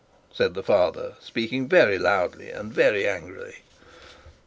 said the father, speaking very loudly and very angrily.